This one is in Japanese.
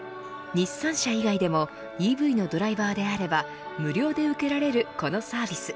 日産車以外でもＥＶのドライバーであれば無料で受けられるこのサービス。